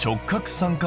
三角。